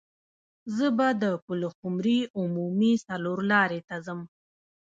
زه به د پلخمري عمومي څلور لارې ته ځم.